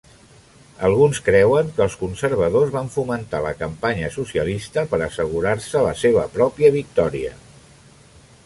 Alguns creuen que els Conservadors van fomentar la campanya socialista per assegurar-se la seva pròpia victòria.